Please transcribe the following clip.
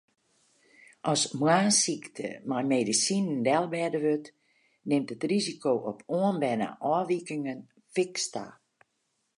As moarnssykte mei medisinen delbêde wurdt, nimt it risiko op oanberne ôfwikingen fiks ta.